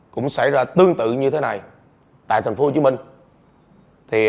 cũng xảy ra tương tự như thế này tại thành phố hồ chí minh